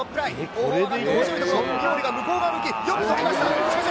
後方上がって面白いとこ三森が向こう側を向きよくとりました